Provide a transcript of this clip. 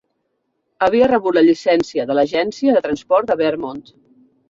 Havia rebut la llicència de l'Agència de transport de Vermont.